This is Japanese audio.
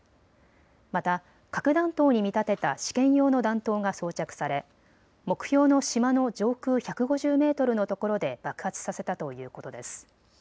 また核弾頭に見立てた試験用の弾頭が装着され目標の島の上空１５０メートルの所で爆発させたということです。